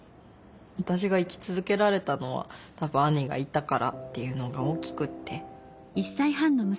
私が生き続けられたのは多分兄がいたからっていうのが大きくって。